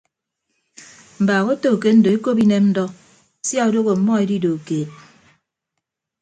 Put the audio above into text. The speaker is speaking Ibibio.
Mbaak oto ke ndo ekop inem ndọ sia odooho ọmmọ edido keed.